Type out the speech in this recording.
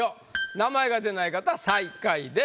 名前が出ない方は最下位です。